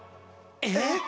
えっ？